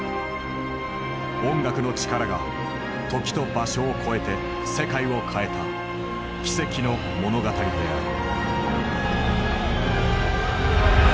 音楽の力が時と場所をこえて世界を変えた奇跡の物語である。